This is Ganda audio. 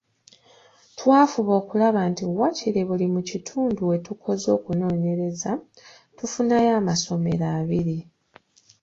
Twafuba okulaba nti waakiri mu buli kitundu we tukoze okunoonyereza tufunawo amasomero abiri.